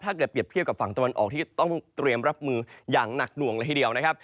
เปรียบเทียบกับฝั่งตะวันออกที่ต้องเตรียมรับมืออย่างหนักหน่วงเลยทีเดียวนะครับ